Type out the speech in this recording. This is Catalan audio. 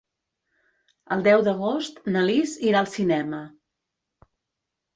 El deu d'agost na Lis irà al cinema.